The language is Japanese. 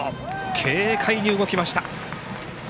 軽快に動きました。